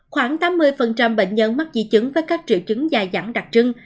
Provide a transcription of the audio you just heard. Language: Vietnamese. khoảng tám mươi bệnh nhân mắc di chứng với các triệu chứng dài dẳng đặc trưng